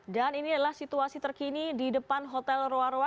dan inilah situasi terkini di depan hotel rua rua